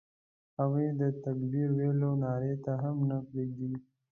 هغوی د تکبیر ویلو نارې ته هم نه پرېږدي.